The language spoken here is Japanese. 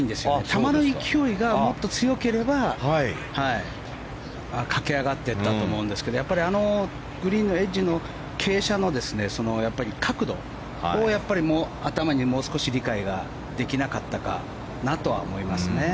球の勢いがもっと強ければ駆け上がっていったと思うんですけどあのグリーンのエッジの傾斜の角度を頭にもう少し理解ができなかったかなとは思いますね。